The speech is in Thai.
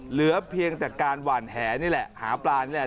เหลือเพียงแต่การหวานแหนี่แหละหาปลานี่แหละ